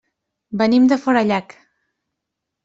Venim de Forallac.